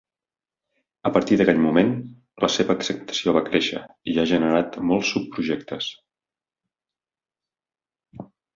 A partir d'aquell moment, la seva acceptació va créixer i ha generat molts subprojectes.